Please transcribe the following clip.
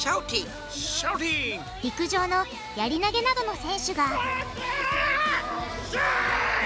陸上のやり投げなどの選手がわっせ！